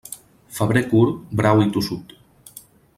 Febrer curt, brau i tossut.